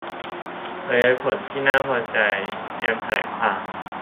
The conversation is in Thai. เผยผลน่าพอใจ เตรียมแถลงข่าว